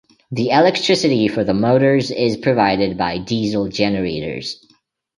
The electricity for the motors is provided by diesel generators.